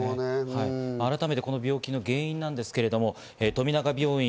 改めて、この病気の原因なんですけれども富永病院